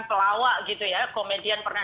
pelawak gitu ya komedian pernah